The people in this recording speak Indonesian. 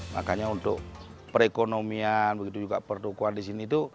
makanya untuk perekonomian begitu juga pertukuan di sini itu